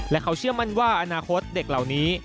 และเขาเชื่อมั่นว่าอนาคตเด็กเหล่านี้